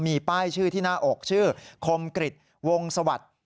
มีป้ายชื่อที่หน้าอกชื่อคมกริจวงสวัสดิ์